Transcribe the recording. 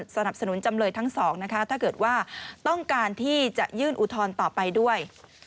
สนับสนุนจำเลยทั้งสองนะคะถ้าเกิดว่าต้องการที่จะยื่นอุทธรณ์ต่อไปด้วย